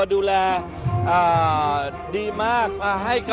ดูแลดีมาก